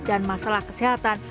dan masalah kesehatan